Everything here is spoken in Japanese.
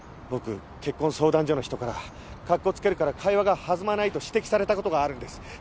僕結婚相談所の人からカッコつけるから会話が弾まないと指摘されたことがあるんです。